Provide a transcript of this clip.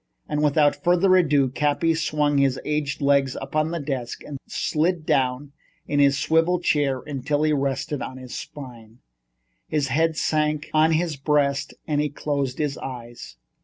And without further ado, Cappy swung his aged legs up on to his desk and slid down in his swivel chair until he rested on his spine. His head sank on his breast and he closed his eyes.